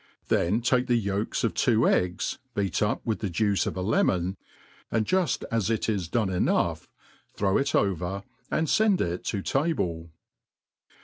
35J ihen take the yoIk» of two eggs, beat up with the juice of il lemon, and juft u it is done enough^ throvlr itover^ and fend it to table.